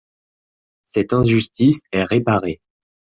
Cette injustice est réparée.